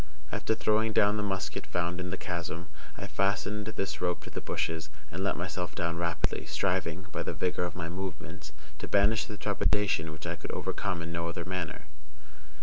After throwing down the musket found in the chasm, I fastened this rope to the bushes, and let myself down rapidly, striving, by the vigor of my movements, to banish the trepidation which I could overcome in no other manner.